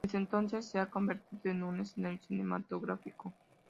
Desde entonces se ha convertido en un escenario cinematográfico.